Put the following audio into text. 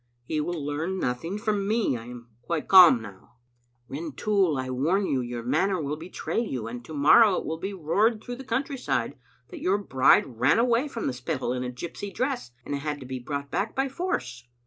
" He will learn nothing from me. I am quite calm now." " Rintoul, I warn you your manner will betray you, and to morrow it will be roared through the country side that your bride ran away from the Spittal in a gypsy dress, and had to be brought back by force."